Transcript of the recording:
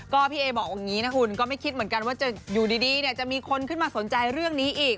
ก็พี่เอบอกอย่างนี้นะคุณก็ไม่คิดเหมือนกันว่าจะอยู่ดีจะมีคนขึ้นมาสนใจเรื่องนี้อีก